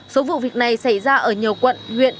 số vụ việc này xảy ra ở nhiều quận huyện